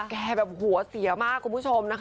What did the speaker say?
แกแบบหัวเสียมากคุณผู้ชม